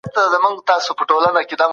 یو پوه انسان تل ښه استدلال کوي.